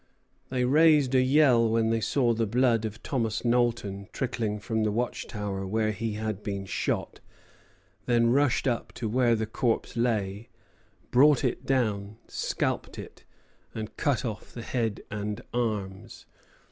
They raised a yell when they saw the blood of Thomas Knowlton trickling from the watch tower where he had been shot, then rushed up to where the corpse lay, brought it down, scalped it, and cut off the head and arms.